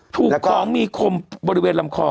ถูกของมีคมบริเวณลำคอ